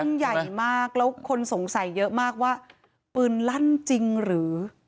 ใหญ่มากแล้วคนสงสัยเยอะมากว่าปืนลั่นจริงหรือ